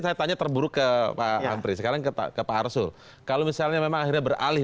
saya tanya terburuk ke pak amri sekarang ke pak arsul kalau misalnya memang akhirnya beralih